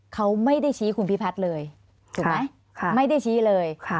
เขาไม่ได้ชี้คุณพี่พัดเลยถูกไหมค่ะไม่ได้ชี้เลยค่ะ